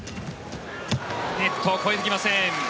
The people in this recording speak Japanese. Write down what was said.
ネットを越えてきません。